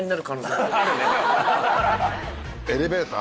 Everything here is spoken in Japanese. エレベーター